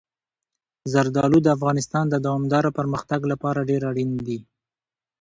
زردالو د افغانستان د دوامداره پرمختګ لپاره ډېر اړین دي.